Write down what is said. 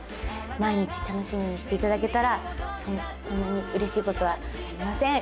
毎日楽しみにしていただけたらこんなにうれしいことはありません。